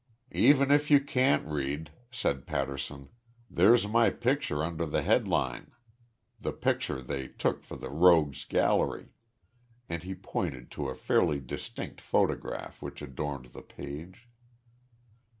"Even if you can't read," said Patterson, "there's my picture under the headline the picture they took for the rogues' gallery," and he pointed to a fairly distinct photograph which adorned the page.